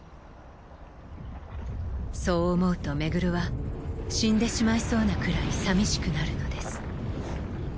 そう思うと廻は死んでしまいそうなくらい寂しくなるのです